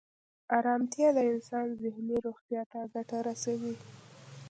ارامتیا د انسان ذهني روغتیا ته ګټه رسوي.